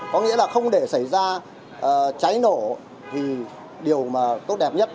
có nghĩa là không để xảy ra cháy nổ thì điều mà tốt đẹp nhất